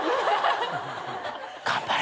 頑張れ。